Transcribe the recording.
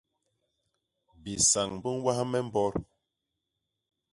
Bisañ bi ñwas me mbot.